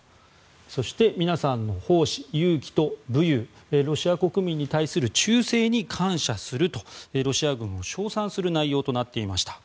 そして、皆さんの奉仕勇気と武勇ロシア国民に対する忠誠に感謝するとロシア軍を称賛する内容となっていました。